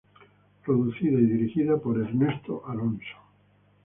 Producida y dirigida por Ernesto Alonso.